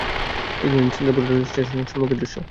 এটা grand central স্টেশনের সম্মুখের দৃশ্য!